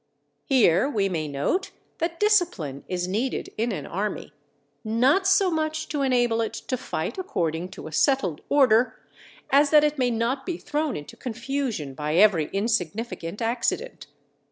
Here we may note that discipline is needed in an army, not so much to enable it to fight according to a settled order, as that it may not be thrown into confusion by every insignificant accident.